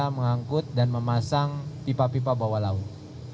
mengangkut dan memasang pipa pipa bawah laut